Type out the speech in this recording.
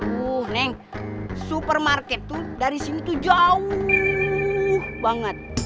uh neng supermarket tuh dari sini tuh jauh banget